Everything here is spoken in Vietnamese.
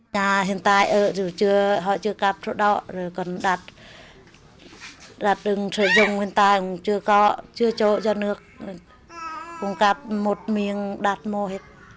nhà hiện tại họ chưa cắp sổ đỏ đặt đường sử dụng hiện tại chưa có chưa chỗ cho nước cũng cắp một miếng đặt mô hết